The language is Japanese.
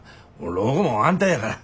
老後も安泰やから。